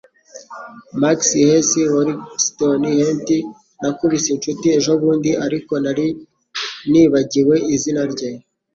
Max Hess, Folkestone, Kent Nakubise inshuti ejobundi ariko nari nibagiwe izina rye